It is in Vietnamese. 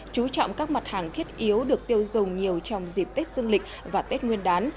chú trọng các mặt hàng thiết yếu được tiêu dùng nhiều trong dịp tết dương lịch và tết nguyên đán